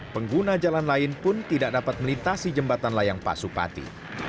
pengguna jalan lain pun tidak dapat melintasi jembatan layang pak supati